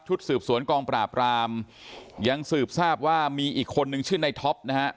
สืบสวนกองปราบรามยังสืบทราบว่ามีอีกคนนึงชื่อในท็อปนะฮะ